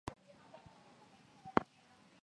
na hali hii inakumba mataifa yote Ushahidi ni